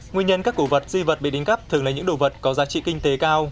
nguyên nhân các cổ vật di vật bị đánh cắp thường là những đồ vật có giá trị kinh tế cao